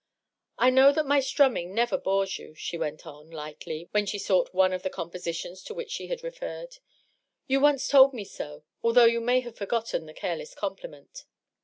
^^ I know that my strumming never bores you," she went on, lightly, while she sought one of the compositions to which she had referred. " You once told me so, although you may have forgotten the careless compliment."